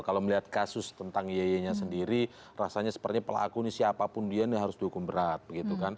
kalau melihat kasus tentang yeye nya sendiri rasanya sepertinya pelaku ini siapapun dia ini harus dihukum berat